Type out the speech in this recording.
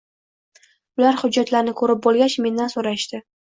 Ular hujjatlarni ko`rib bo`lgach, mendan so`rashdi